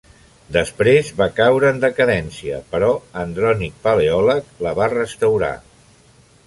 Després del va caure en decadència, però Andrònic Paleòleg la va restaurar.